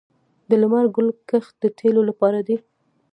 د لمر ګل کښت د تیلو لپاره دی